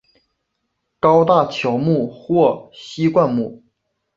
高大乔木或稀灌木。